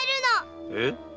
えっ？